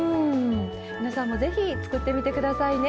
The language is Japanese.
皆さんも是非作ってみて下さいね。